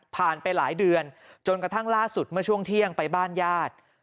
ไปหลายเดือนจนกระทั่งล่าสุดเมื่อช่วงเที่ยงไปบ้านญาติ